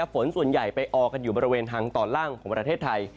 ฝนส่วนใหญ่ไปออกันอยู่บริเวณทางตอนล่างของประเทศไทย